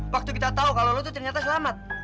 waktu kita tau kalau lu tuh ternyata selamat